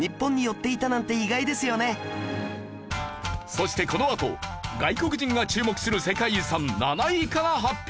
そしてこのあと外国人が注目する世界遺産７位から発表！